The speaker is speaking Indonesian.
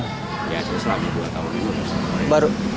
ya diserangnya dua tahun dulu